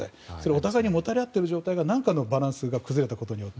お互いにもたれ合っている状態が何かのバランスが崩れたとき